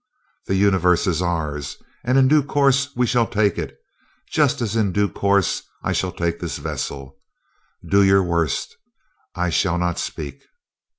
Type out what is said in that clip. The Universe is ours, and in due course we shall take it just as in due course I shall take this vessel. Do your worst; I shall not speak."